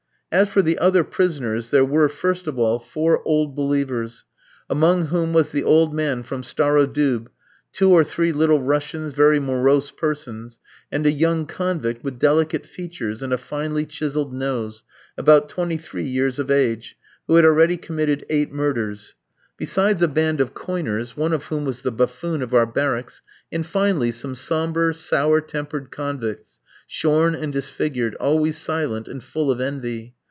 As for the other prisoners there were, first of all, four "old believers," among whom was the old man from Starodoub, two or three Little Russians, very morose persons, and a young convict with delicate features and a finely chiselled nose, about twenty three years of age, who had already committed eight murders; besides a band of coiners, one of whom was the buffoon of our barracks; and, finally, some sombre, sour tempered convicts, shorn and disfigured, always silent, and full of envy.